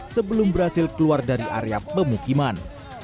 sebelum berhasil keluar dari area pemukiman